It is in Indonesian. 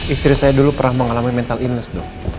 istri saya dulu pernah mengalami mental illness dong